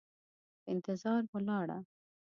په انتظار ولاړه،